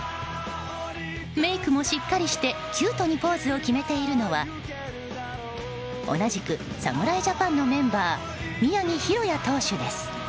メイクもしっかりしてキュートにポーズを決めているのは同じく侍ジャパンのメンバー宮城大弥投手です。